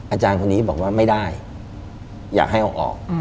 อาจารย์คนนี้บอกว่าไม่ได้อยากให้เอาออก